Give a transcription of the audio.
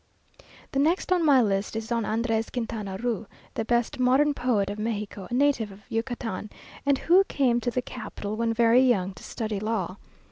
The next on my list is Don Andrés Quintana Roo, the best modern poet of Mexico, a native of Yucatan, and who came to the capital when very young, to study law.